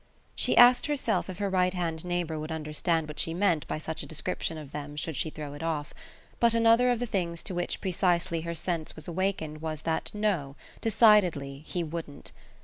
She asked herself if her right hand neighbour would understand what she meant by such a description of them should she throw it off; but another of the things to which precisely her sense was awakened was that no, decidedly, he wouldn't.